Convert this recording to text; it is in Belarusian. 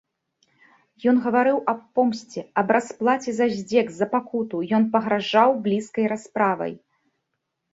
Ён гаварыў аб помсце, аб расплаце за здзек, за пакуту, ён пагражаў блізкай расправай.